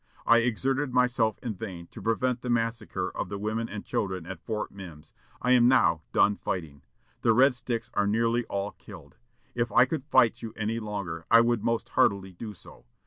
I exerted myself in vain to prevent the massacre of the women and children at Fort Mims. I am now done fighting. The Red Sticks are nearly all killed. If I could fight you any longer, I would most heartily do so.